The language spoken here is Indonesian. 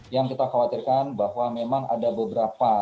yang kita khawatirkan bahwa memang ada beberapa